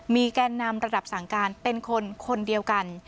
มีแกนนำระดับสั่งการเป็นคนคนเดียวกัน